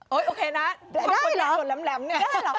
โอเคนะได้เหรอได้เหรอ